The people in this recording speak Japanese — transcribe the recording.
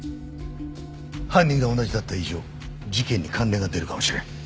犯人が同じだった以上事件に関連が出るかもしれん。